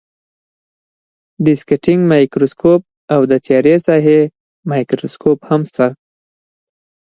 دیسکټینګ مایکروسکوپ او د تیارې ساحې مایکروسکوپ هم شته.